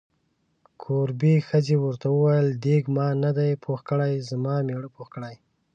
کوربې ښځې ورته وویل: دیګ ما نه دی پوخ کړی، زما میړه پوخ کړی.